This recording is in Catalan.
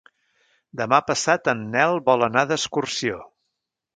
Demà passat en Nel vol anar d'excursió.